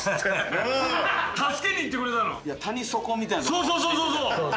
そうそうそうそうそう。